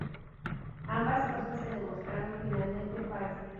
Ambas cosas se demostraron finalmente falsas.